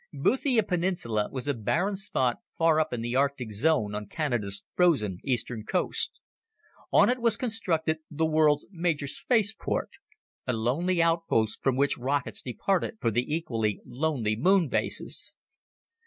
Boothia Peninsula was a barren spot far up in the Arctic Zone on Canada's frozen eastern coast. On it was constructed the world's major space port a lonely outpost from which rockets departed for the equally lonely Moon bases.